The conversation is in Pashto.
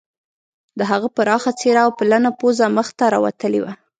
د هغه پراخه څیره او پلنه پوزه مخ ته راوتلې وه